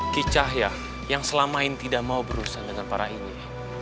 ki cahaya yang selamanya tidak mau berurusan dengan para inja